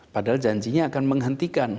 padahal janjinya akan menghentikan